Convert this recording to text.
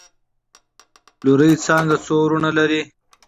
لورې څانګه څو وروڼه لري؟؟